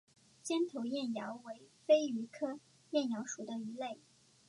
尖头燕鳐为飞鱼科燕鳐属的鱼类。